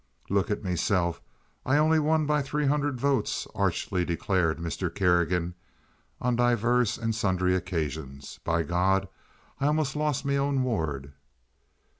"Look at meself! I only won by three hundred votes," archly declared Mr. Kerrigan, on divers and sundry occasions. "By God, I almost lost me own ward!"